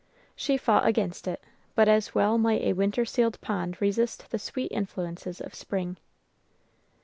She fought against it; but as well might a winter sealed pond resist the sweet influences of spring.